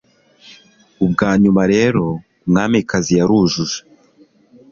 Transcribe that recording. Ubwanyuma rero Umwamikazi yarujuje